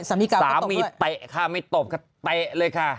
สามีเก่าก็ตบด้วยสามีเตะค่ะมี่ตบก็เตะเลยค่ะ